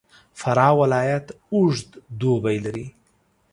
فراه ولایت اوږد دوبی لري.